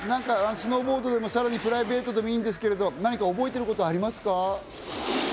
スノーボードでもさらにプライベートでもいいですが、何か覚えてることはありますか？